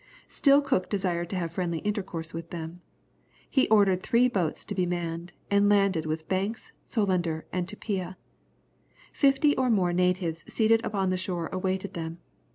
Still Cook desired to have friendly intercourse with them. He ordered three boats to be manned, and landed with Banks, Solander, and Tupia. Fifty or more natives seated on the shore awaited them.